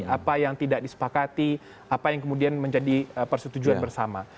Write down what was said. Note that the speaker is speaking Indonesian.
apa yang tidak disepakati apa yang kemudian menjadi persetujuan bersama